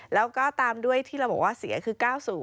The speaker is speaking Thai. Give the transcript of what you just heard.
แล้วก็ตามด้วยที่เราบอกว่าเสียคือ๙๐